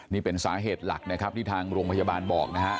นี่เป็นสาเหตุหลักนะครับที่ทางโรงพยาบาลบอกนะฮะ